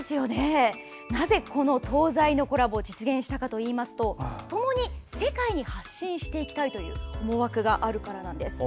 なぜ、この東西のコラボが実現したかといいますと共に「世界に発信していきたい」という思惑があるからです。